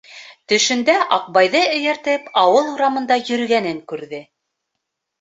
Төшөндә Аҡбайҙы эйәртеп ауыл урамында йөрөгәнен күрҙе.